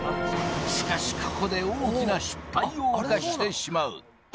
しかし、ここで大きな失敗を犯してしまう。